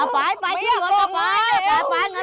ต้องไปไหมไปครับไม่อยากมาอีกโอ๊ยโอ๊ยนี่คือลึงไปไหมไปครับ